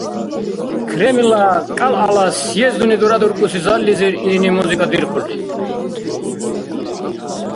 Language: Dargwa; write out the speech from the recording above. Кремльла КӀялгӀяла съездуни дурадуркӀуси заллизир илини музыка дирхъулри.